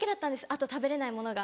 あと食べれないものが。